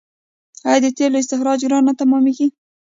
آیا د تیلو استخراج ګران نه تمامېږي؟